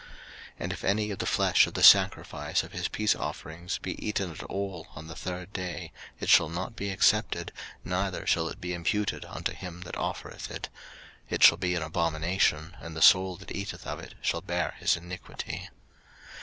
03:007:018 And if any of the flesh of the sacrifice of his peace offerings be eaten at all on the third day, it shall not be accepted, neither shall it be imputed unto him that offereth it: it shall be an abomination, and the soul that eateth of it shall bear his iniquity.